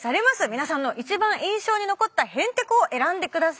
皆さんの一番印象に残ったへんてこを選んでください。